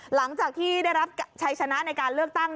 หลังจากที่ได้รับชัยชนะในการเลือกตั้ง